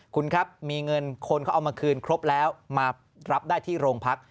คุณครับมีเงินคนเขาเอามาคืนครบแล้วมารับได้ที่โรงพัก